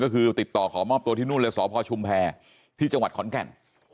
ก็คือติดต่อขอมอบตัวที่นู่นเลยสพชุมแพรที่จังหวัดขอนแก่น